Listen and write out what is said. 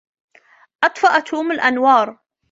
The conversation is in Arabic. أطفئ توم الأنوار.